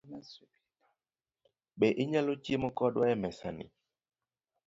Be inyalo chiemo kodwa e mesani?